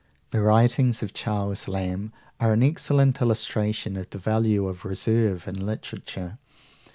The writings of Charles Lamb are an excellent illustration of the value of reserve in literature.